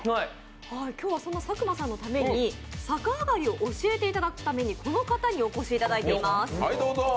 今日はそんな佐久間さんのために逆上がりを教えていただくために、この方にお越しいただいています。